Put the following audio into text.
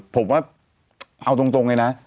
ผมว่าเอาตรงเลยนะ